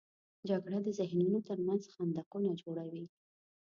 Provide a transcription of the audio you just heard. جګړه د ذهنونو تر منځ خندقونه جوړوي